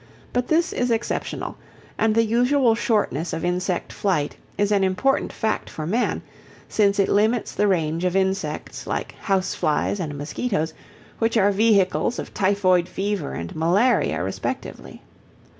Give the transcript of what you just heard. But this is exceptional, and the usual shortness of insect flight is an important fact for man since it limits the range of insects like house flies and mosquitoes which are vehicles of typhoid fever and malaria respectively.